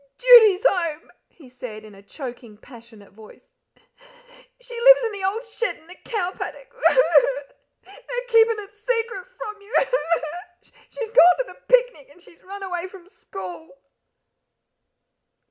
"Judy's home!" he said, in a choking, passionate voice. "She lives in the old shed in the cow, paddock. Boo, hoo, hoo! They're keepin' it secret from you. Boo, hoo. She's gone to the picnic, and she's run away from school."